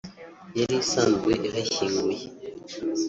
yari isanzwe ihashyinguye